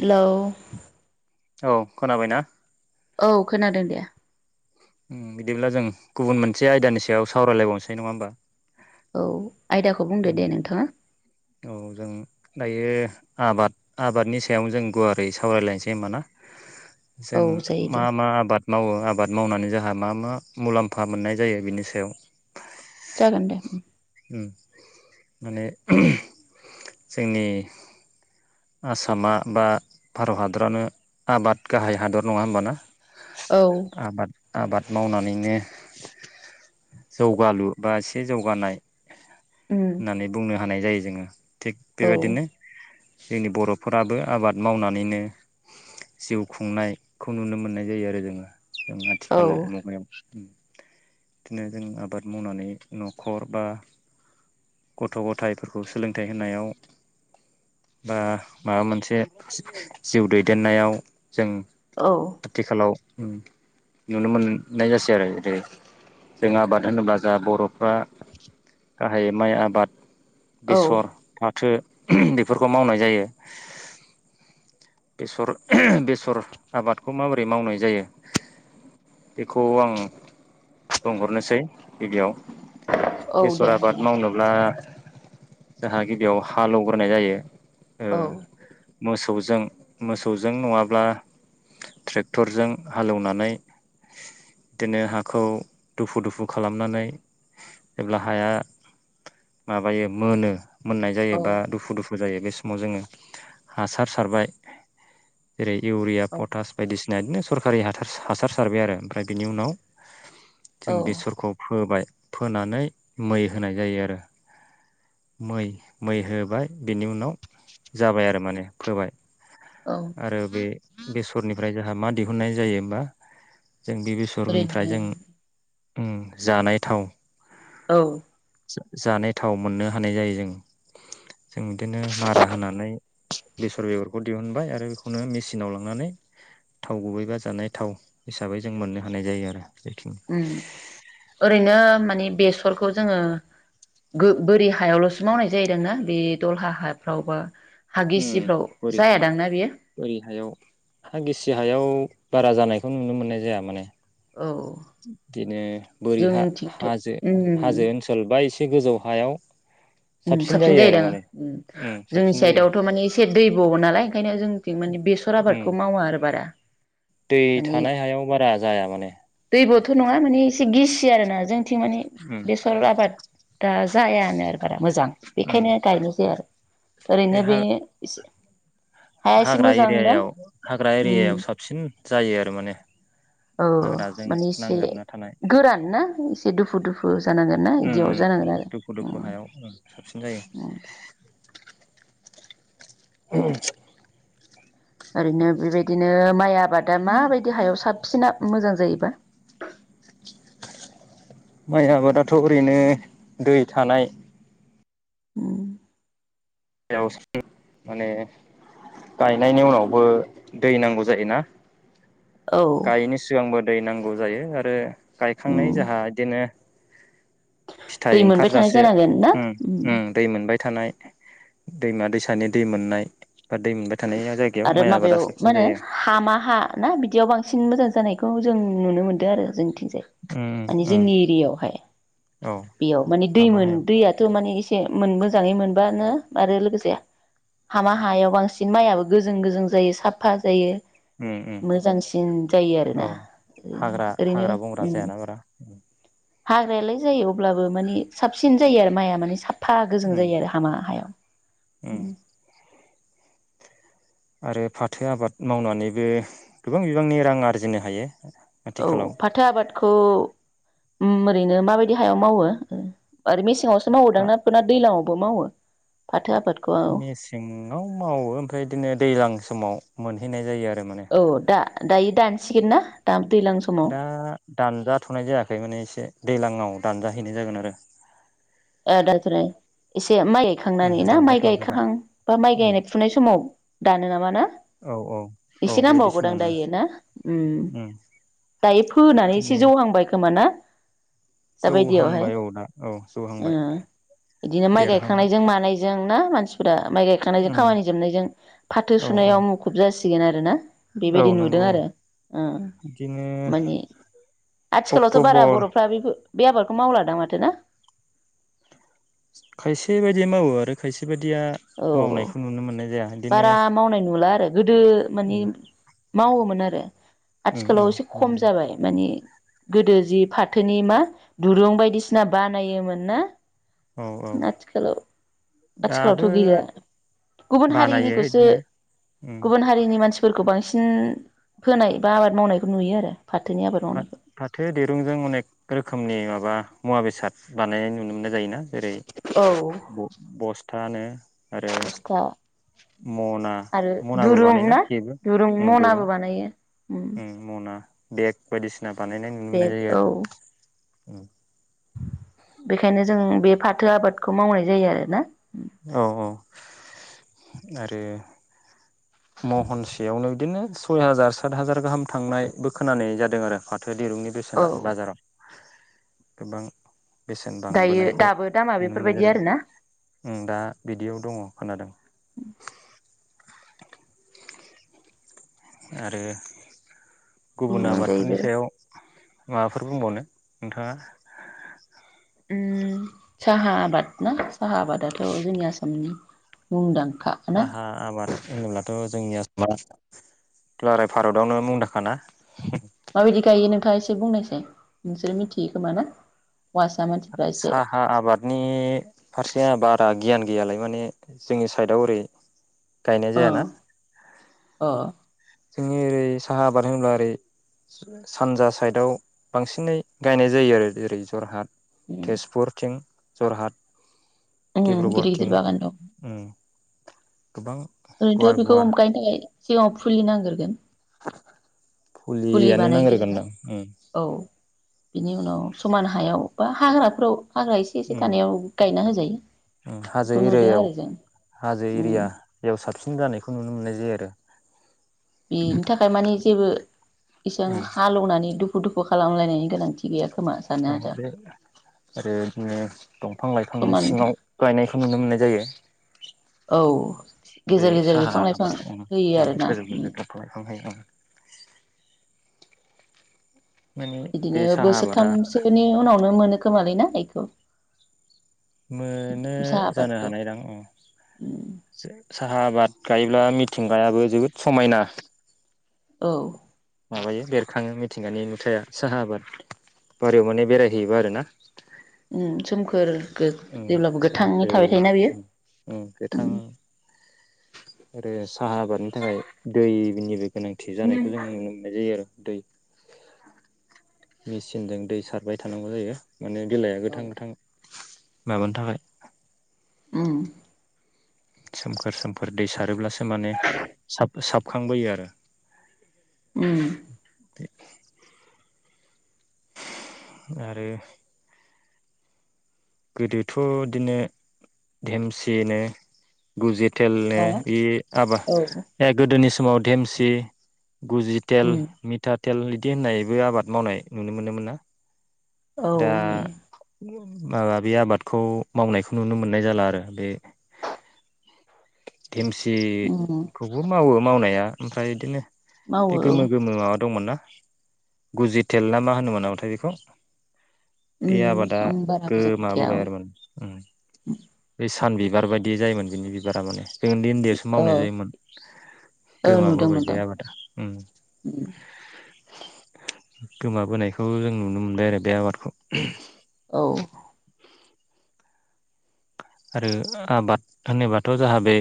Hello औ खोनाबायना औ खोनादों दे उम बिदिब्ला जों गुबुन मोनसे आयदानि सायाव सावरायलायबावनोसै नङा होमबा औ आयदाखौ बुंदो उम दे नोंथाङा औ जों दायो आबाद आबादनि सायावनो जों गुवारै सावरायलायनोसै होमबा ना औ जों जायो मा दे मा आबाद मावो आबाद मावनानै जाहा मा मा मुलाम्फा मोननाय जायो बिनि सायाव जागोन दे उम उम माने [unintelligible] [inaudible] जोंनि आसामा बा भारत हादरानो आबाद गाहाय हादर नङा होमबाना औ आबाद आबाद मावनानैनो जौगालु बा एसे जौगानाय उम होननानै बुंनो हानाय जायो। जोङो थिग औ बेबायदिनो जोंनि बर'फोराबो आबाद मावनानैनो जिउ खुंनायखौ नुनो मोननाय जायो आरो जोङो। जों औ आथिखाल मुगायाव बिदिनो जों आबाद मावनानै न'खर बा गथ' गथायाइफोरखौ सोलों थेंनायाव बा माबा मोनसे जिउ दैदेननायाव जों औ आथिखालाव नुनो मोननाय जासै आरो जेरै जों आबाद होनोब्ला जा बरफ बा गाहायै माइ आबाद। औ बेसर फाथो बेफोरखौ मावनाय जायो बेसर बेसर आबादखौ माबोरै मावनाय जायो बेखौ आं बुंहरनोसै गिबियाव। औ बेसर दे आबाद बुं मावनोब्ला जाहा गिबियाव हालौवग्रोनाय जायो। ओ औ मोसौजों मोसौजों नङाब्ला ट्रेक्टरजों हालेवनानै बिदिनो हाखौ दुफु दुफु खालामनानै जेब्ला हाया माबायो मोनो मोननाय जायो औ बा दुफु दुफु बो जायो बे समाव जोङो हासार सारबाय जेरै इउरिया औ पटास बायदिसि दा इदिनो सरखारि हाथाय हासार सारबाय आरो ओमफ्राय बिनि उनाव जों औ बेसरखौ फोबाय फोनानै मै होनाय जायो आरो। मै मै होबाय बिनि उनाव जाबाय आरो माने फोबाय औ आरो बे बेसरनिफ्राय जाहा मा दिहुननाय जायो होमबा जों बे बेेसरगनिफ्राय ओरैनो जों उम जानाय थाव। औ जानाय थाव मोनो। हानाय जायो। जों बिदिनो मारा होनानै बेसर बेगरखौ दिहुनबाय आरो बेखौनो मेसिनाव लांनानै थाव गुबैबा जानाय थाव हिसाबै जों मोननो हानाय जायो आरो। बेखिनि उम ओरैनो मानि बेस सरखौ जोङो गो बोरि हायावलसो मावनाय जायोदांना बे दलहा हाफ्रावबा उम बोरि बोरि हायाव हा गिसि हायाव दा बारा जानायखौ नुनो मोननाय जाया माने। औ बिदिनो बोरि हा जोंथिंथ' हाजो उम हाजो ओनसोल बा एसे एसे गोजौ हायाव उम साबसिन जायो जायोदा आरो माने ओं उम जोंनि साबसिन जायो साइदआवथ मानि एसे दैब' नालाय। बेखायनो जों जों माने बेसर उम आबादखौ मावा आरो बारा। दै माने थानाय हायाव बारा जाया माने। बे नङा माने एसे गिसि आरोना जों थिं माने उम बेसर आबादा जायानो आरो। बारा मोजां बेखायनो गायनाय जाया आरो ओरैनो बे एसे हाया एसे हा-हाग्रा मोजां ना एरियायाव हाग्रा ओम एरियायाव साबसिन जायो आरो माने औ हाग्राजों माने एसे नांजाबना थानाय गोरान ना एसे दुफु दुफु जानांगोन ना उम बिदियाव उम जानांगोन आरो। दुखु दुखु हायाव उम साबसिन जायो। उम [unintelligible] ओरैनो बेबायदिनो माइया आबादा माबायदि हायाव साबसिन मोजां जायोबा। माइ आबादाथ ओरैनो दै थानाय उम जायगायावसो माने गायनायनि उनावबो दै नांगौ जायोना। औ गायिनि सिगांबो दै नां गौ जायो आरो गायखांनाय दै जाहा इदिनो फिथाइ मोनबाय थानाय ओंखारजासे जानांगोन ना दै मोनबाय थानाय दैमा दैसानि दै मोननाय बा दै मोनबाय थानाय जायगायाव आरो माइ आबादा माबेयाव मा साबसिन होनो जायो हामा हा ना बिदियाव बांसिन मोजां जानाय खौ जों नुनो मोनदों आरो जों थिंजाय उम माने उम जोंनि एरियायावहाय औ बेयाव माने दै हामा मोन हायाव दैयाथ' माने एसे मोननो मोजाङै मोनबानो आरो लोगोसे हामा हायाव बांसिन माइआ गोजों गोजों जायो साफा जायो उम उम मोजांसिन जायो औ आरोना ओरैनो हाग्रा ओरैनो हाग्रा बंग्रा उ जायाना बारा हाग्रायालाय जायो अब्लाबो माने साबसिन जायो आरो माइआ माने साब फा गोजों उम जायो आरो हामा हायाव उम आरो फाथो आबाद मावनानैबो गोबां बिबांनि रां आरजिनो हायो औ आथिखालाव फाथो आबादखौ उम ओरैनो माबायदि हायाव मावो ओह आरो मेसेङाव सो फा मावोदां ना दैलांङाव बो मावो फा मेसेंङाव मावो ओमफ्राय बिदिनो दैज्लां समाव मोन फैनाय जायो आरो माने औ दा दायो दानसिगोनना दा दैज्लां समाव दा दानजाथ'नाय जायाखै माने एसे दैलांङाव दानजाहैनाय जागोन आरो [unintelligible] ए माइ उम गायखांनानै ना माइ दानजाथ'वाखै दा गायखांहां बा माइ उम गायनाय फुनाय समाव दानो नामा ना औ औ एसे बेबायदि नांबावगौदां समावनो दायो ना उ उम दायो फोनानै एसे जौहांबाय खोमा ना जौहां दाबायदियावहाय बाय औ दा औ जौहां ओ इदिनो माइ गायखांनायजों मानाय जों ना मानसिफोरा माइ गायखांनायजों खामानि जोबनायजों फाथो औ औ सुनायाव मुखुब जासि सिगोन आरो ना औ बेबायदि नुदों नंगौ आरो उ बिदिनो माने आथिखालावथ' बारा अक्ट'बर बर'फोरा बेफोर बे आबादखौ मावलादां माथो ना खायसे बायदि मावो आरो खायसे बाय दिया औ मावनायखौ नुनो मोननाय जाया इदिनो बारा मावनाय नुला आरो गोदो माने मावोमोन आरो उम उम आथिखालाव एसे खम मावो जाबाय माने गोदो जि फाथोनि मा दुरुं बायदिसिना बानायोमोन ना औ औ आथिखालाव आथिखालावथ दाबो गैया गुबुन बानायो हारिनिखौसो बिदिनो उम गुबुन हारिनि मानसि फोरखौ बांसिन फोनाय बा आबाद मावनायखौ नुयो आरो। फाथोनि आबाद मावनायखौ फा-फाथो दिरुंजों अनेक रोखोमनि माबा मुवा बेसाद बानायनाय नुनो मोननाय जायोना जेरै औ ब-बस्थानो आरो बस्था मना आरो मनाबो दुरुं बानायना ना जेबो दुरुं उम दुरुं मनाबो बानायो उम मना बेग बायदिसिना सिना बानायनाय नुनो मोननाय बेग जायो आरो औ औ बेखायनो जों बे फाथो आबादखौ मावनाय जायो आरोना। औ औ आरो महनसेयावनो बिदिनो सय हाजार सात हाजार गाहाम थांनायबो खोनानाय जादों आरो फाथ थो दिरुंनि औ बेसेना बाजाराव। गोबां बेसेन दायो बांबोनायखौ दाबो दामा नुनो मोननाय बेफोरबायदि जादों आरोना उम दा बिदियाव दङ खोनादों आरो बेनि गुबुन आबादफोरनि अनगायैबो सायाव माबाफोर बुंबावनो नोंथाङा उम साहा आबाद ना साहा आबादाथ' जोंनि आसामनि मुंदांखा ना साहा आबाद होनोब्लाथ जोंनि आसामा क्लारेप माबायदि गायो नोंथाङा एसे एसे बुंनायसै नोंसोरो मिथियो खोमा ना हौवासा मानसिफ्रा एसे साहा आबादनि फारसे आबाद दा गियान गैयालाय माने जोंनि साइडआव ओरै गायनाय अ जायाना? अ जोंनि ओरै साहा आबाद होनोब्ला ओरै सानजा साइदआव बांसिनै गायनाय जायो आरो ओरै जरहाट तेजपुर थिं जरहात उम गिदिर गिदिर डिब्रुगरथिं उम। गोबां ओरैथ गुवार बिखौ गुवार अमखायनो थाखाय सिगाङाव फुलि नांग्रोगोन [inaudible] फुलि फुलियानो बानायग्रोना नांग्रोगोनदां उम औ बिनि उनाव समान हायाव बा हाग्राफोराव हाग्रा एसे एसे उम थानायाव गायना हो हो जायो उम हाजो एरियायाव हाजो उम एरियायाव साबसिन जानायखौ नुनो मोननाय जायो आरो बेनि थाखाय माने जेबो इसां हालेवनानै दु फु दुखु खालामायनायनि गोनांथि गैया खोमा सानो आरो बिदिनो दंफां लाइफांनि समान सिङाव गायनायखौ नुनो मोननाय जायो औ बे गेजेर गेजेर साहा बिफां लाइफां आबादखौ उम होयो उम आरो ना गोजौ गोजौ दंफां लाइफां गायो माने बिदिनो बे साहा आबादा बोसोरथामसोनि उनावनो मोनो खोमालै ना थायखौ मोनो जानो हानायदां ओं उम साहा आबाद गायोब्ला मिथिंगायाबो जोबोद समायना औ माबायो बेरखाङो मिथिंगानि नुथाया साहा आबाद बारियाव माने बेरायहैयोबा आरो ना उम सोमखोर गो उम जेब्लाबो गोथाङै सोमखोर थाबाय थायोना बियो गोथां उम आरो साहा आबादनि थाखाय दैनिबो गोनांथि जानायखौ जों नुनो मोननाय जायो आरो दै मेचिनजों दै सारबाय थानांगौ जायो माने बिलाइआ औ गोथां गोथां माबानि थाखाय उम सोमखोर सोमखोर दै सारोब्लासो माने साप साप हाबखांबोयो आरो उम दे आरो गोदोथ बिदिनो धेमसिनो गुजेद टेलनो हा इ आबा औ गोदोनि समाव धेमसि गुजिटेल उम मिथा टेल बिदि होननायबो आबाद मावनाय नुनो मोनोमोन ना औ दा उम माबा बे आबादखौ मावनायखौ नुनो मोननाय जाला आरो बे उम देमसिखौबो मावो मावनाया ओमफ्राय बिदिनो बे मावो औ गोमो गोमो माबा दंमोन ना गुजि थेल ना मा होनोमोन नामाथाय बेखौ बे उम आबादा आं बारा मोजां मिथिया गोमाबोबाय औ आरो माने उम बे सान बिबार बायदि जायोमोन बिनि बिबारा माने जों उनदै उनदैआवसो मावनाय ओ जायोमोन ओ नुदों गोमाबोबाय बे मोनदों आबादा उम उम गोमाबोनायखौ जों नुनो मोनबाय आरो बे आबाद खौ औ आरो आबाद होनोबाथ' जाहा बे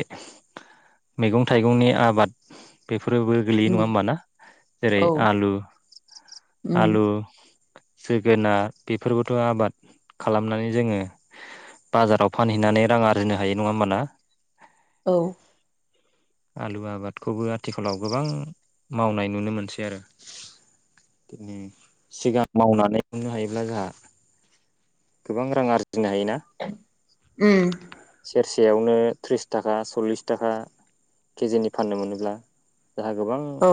मैगं थाइगंनि आबाद बे फोरोबो गोलैयो उम नङा होमबा ना जेरै औ आलु उम आलु जोगोनार बेफोरखौथ' आबाद खालामनानै जोङो बाजाराव फानहैनानै रां आर्जिनो हायो नङा होमबाना औ आलु आबादखौबो आथिखालाव गोबां मावनाय नुनो मोनसै आरो ओम सिगां मावनानै दिहुननो हायोब्ला जोंहा गोबां रां आरजि उम [unintelligible] सेरसेयावनो थ्रिस थाखा सल्लिस थाखा केजिनि फाननो मोनोब्ला जाहा गोबां औ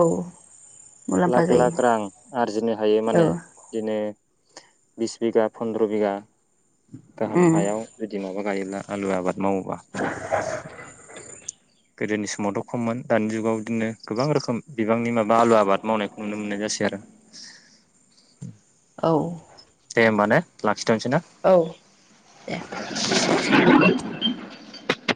मुलाम्फा लाख लाख जायो रां आरजिनो हायो औ माने बिदिनो बिस बिगा फन द्र' बिगा गाहाम उम हायाव [unintelligible] माव गायोब्ला आलु आबाद मावोबा गोदोनि सम खममोन दानि जुगाव बिदिनो गोबां रोखोम बिबांनि माबा आलु आबाद मावनायखौ नुनो मोननाय जासै आरो औ माने ला औ दे [inaudible]